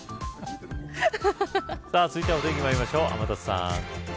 続いてお天気でまいりましょう、天達さん。